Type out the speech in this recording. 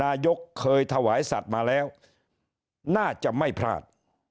นายกเคยถวายสัตว์มาแล้วน่าจะไม่พลาด